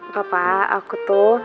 papa aku tuh